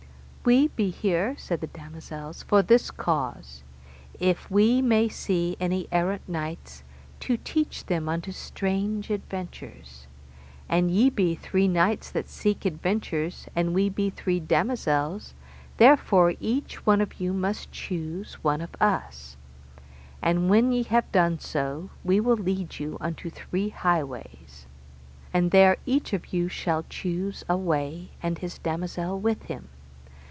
We be here, said the damosels, for this cause: if we may see any errant knights, to teach them unto strange adventures; and ye be three knights that seek adventures, and we be three damosels, and therefore each one of you must choose one of us; and when ye have done so we will lead you unto three highways, and there each of you shall choose a way and his damosel with him.